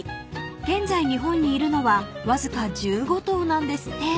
［現在日本にいるのはわずか１５頭なんですって］